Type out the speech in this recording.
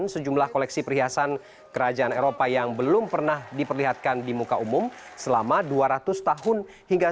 sejumlah koleksi perhiasan keluarga